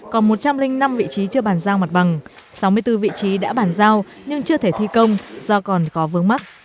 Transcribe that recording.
còn một trăm linh năm vị trí chưa bàn giao mặt bằng sáu mươi bốn vị trí đã bàn giao nhưng chưa thể thi công do còn có vướng mắc